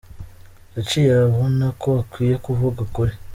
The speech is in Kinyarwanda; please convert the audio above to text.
Yaciye abona ko akwiye kuvuga ukuri.